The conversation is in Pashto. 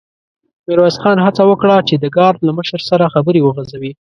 ميرويس خان هڅه وکړه چې د ګارد له مشر سره خبرې وغځوي.